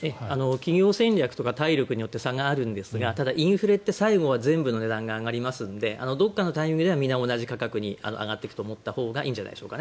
企業戦略、体力によって差があるんですがただ、インフレって最後は全部の値段が上がりますのでどこかのタイミングでは皆、同じ価格に上がっていくと思ったほうがいいんじゃないでしょうか。